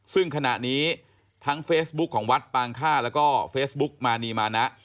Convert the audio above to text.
ซึ่งขณะนี้ทั้งเฟซบุ๊คของวัดปางค่าแล้วก็เฟซบุ๊กมานีมานะ